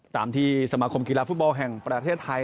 ตามที่สมาคมกีฬาฟุตบอลแห่งประเทศไทย